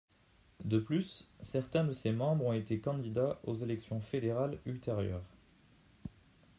De plus, certains de ses membres ont été candidats aux élections fédérales ultérieures.